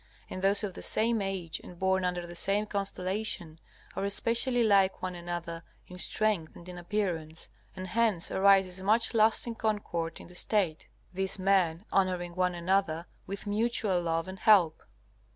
And those of the same age and born under the same constellation are especially like one another in strength and in appearance, and hence arises much lasting concord in the State, these men honoring one another with mutual love and help.